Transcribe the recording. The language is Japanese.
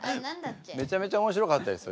めちゃめちゃ面白かったですよ。